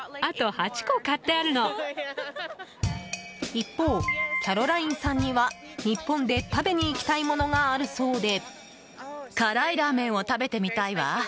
一方、キャロラインさんには日本で食べに行きたいものがあるそうで。